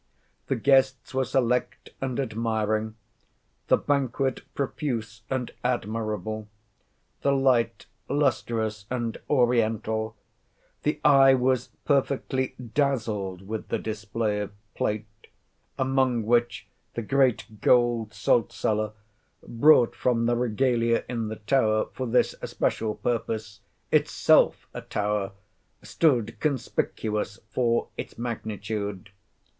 The guests were select and admiring; the banquet profuse and admirable; the lights lustrous and oriental; the eye was perfectly dazzled with the display of plate, among which the great gold salt cellar, brought from the regalia in the Tower for this especial purpose, itself a tower! stood conspicuous for its magnitude.